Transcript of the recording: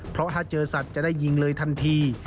เพราะถ้าเจอสัตว์จะได้ยิงเลยทันที